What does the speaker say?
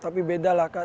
tapi beda lah kak